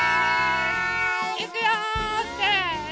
いくよせの！